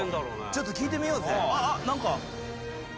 ちょっと聞いてみようぜ。